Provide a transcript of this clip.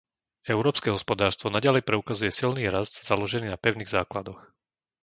Európske hospodárstvo naďalej preukazuje silný rast založený na pevných základoch.